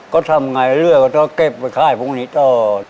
ก็ทำยังไงเลือดก็เก็บไว้ค่ายพรุ่งนี้ต้อน